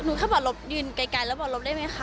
หนูก็บอกลบหนูก็ยืนไกลแล้วบอกลบได้ไหมคะ